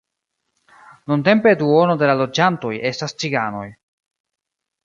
Nuntempe duono de la loĝantoj estas ciganoj.